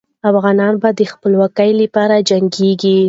افغانان به د خپلواکۍ لپاره جنګېږي.